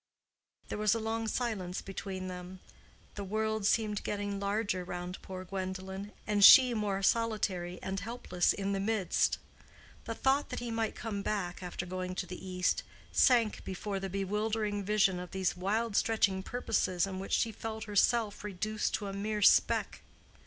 There was a long silence between them. The world seemed getting larger round poor Gwendolen, and she more solitary and helpless in the midst. The thought that he might come back after going to the East, sank before the bewildering vision of these wild stretching purposes in which she felt herself reduced to a mere speck.